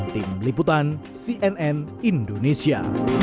tim liputan cnn indonesia